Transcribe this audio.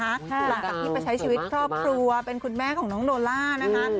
หลังจากที่ไปใช้ชีวิตครอบครัวเป็นคุณแม่ของน้องโนล่านะคะ